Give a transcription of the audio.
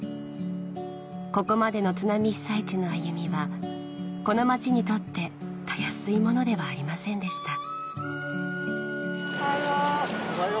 ここまでの津波被災地の歩みはこの町にとってたやすいものではありませんでしたおはよう。